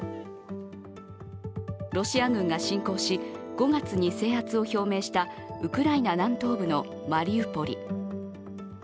ロシア軍が侵攻し、５月に制圧を表明したウクライナ南東部のマリウポリ。